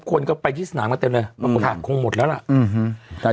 คนก็ไปที่สนามมาเต็มเลยอืมค่ะคงหมดแล้วล่ะอืมฮืม